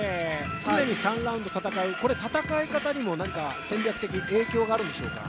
常に３ラウンド戦う、戦い方にも戦略的影響があるんでしょうか。